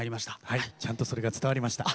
はいちゃんとそれが伝わりました。